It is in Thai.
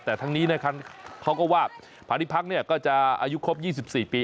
แต่ทั้งนี้เขาก็ว่าภารกิจภักดิ์ก็จะอายุครบ๒๔ปี